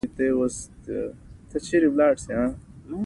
په داسې حال کې چې چین تر مراندو لاندې کمزوری شو.